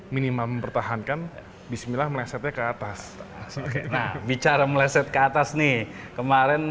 minimal mengpertahankan bismillah meresetnya ke atas sebagian bicara meleset ke atas nih kemarin